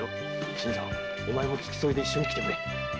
新さんも付き添いで一緒に来てくれ。